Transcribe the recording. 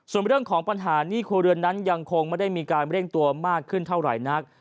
ส่วนเรื่องของปัญหาหนี้ครัวเรือนนั้นยังคงไม่ได้มีการเร่งตัวมากขึ้นเท่าไหร่นัก